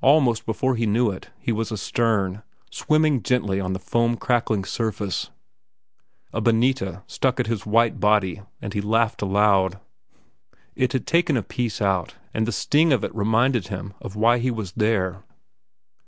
Almost before he knew it, he was astern, swimming gently on the foam crackling surface. A bonita struck at his white body, and he laughed aloud. It had taken a piece out, and the sting of it reminded him of why he was there.